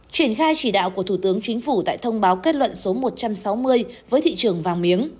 triển khai chỉ đạo của thủ tướng chính phủ tại thông báo kết luận số một trăm sáu mươi với thị trường vàng miếng